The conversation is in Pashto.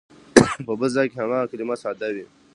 په بل ځای کې هماغه کلمه ساده وي.